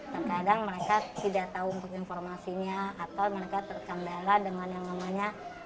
terkadang mereka tidak tahu untuk informasinya atau mereka terkendala dengan yang namanya